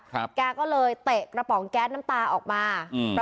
แกก็เลยเตะกระป๋องแก๊สน้ำตาออกมาอืม